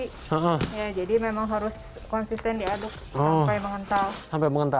iya jadi memang harus konsisten diaduk sampai mengental